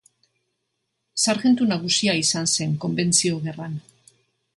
Sarjentu nagusia izan zen Konbentzio Gerran.